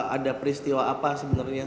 ada peristiwa apa sebenarnya